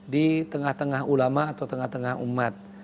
di tengah tengah ulama atau tengah tengah umat